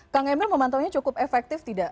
kang emil memantaunya cukup efektif tidak